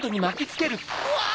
うわ！